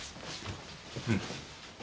うん。